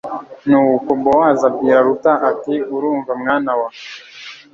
nuko bowozi abwira ruta, ati urumva, mwana wa